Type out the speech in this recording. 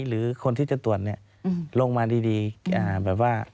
หรือคนที่จะตรวจเนี่ยลงมาดีแบบว่า